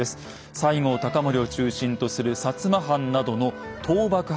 西郷隆盛を中心とする摩藩などの倒幕派です。